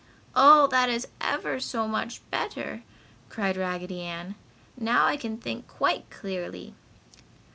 "Oh that is ever so much better!" cried Raggedy Ann. "Now I can think quite clearly."